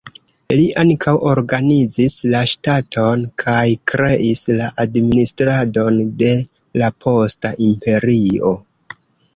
Li ankaŭ organizis la ŝtaton, kaj kreis la administradon de la posta imperio.